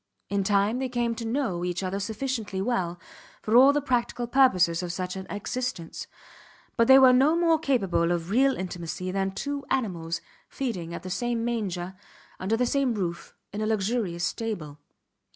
In time they came to know each other sufficiently well for all the practical purposes of such an existence, but they were no more capable of real intimacy than two animals feeding at the same manger, under the same roof, in a luxurious stable.